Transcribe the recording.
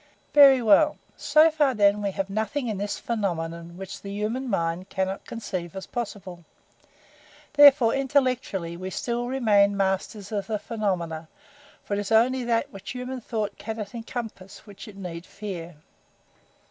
"Very well so far, then, we have nothing in this phenomenon which the human mind cannot conceive as possible; therefore intellectually we still remain masters of the phenomena; for it is only that which human thought cannot encompass which it need fear."